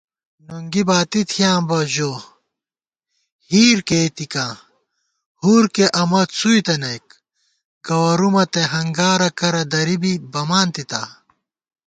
نُنگی باتی تھیاں بہ ژو، ہِیر کېئیتِکاں، ہُور کے امہ څُوئی تَنَئیک * گوَرُومہ تے ہنگارہ کرہ دری بی بمانتِتا